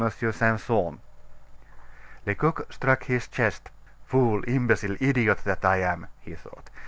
Simpson." Lecoq struck his chest. "Fool, imbecile, idiot, that I am!" he thought.